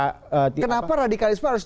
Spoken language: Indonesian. kenapa radikalisme harus